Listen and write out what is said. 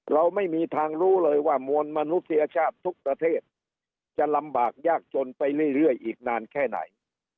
เราไม่มีทางรู้เลยว่ามวลมนุษยชาติทุกประเทศจะลำบากยากจนไปเรื่อยอีกนานแค่ไหน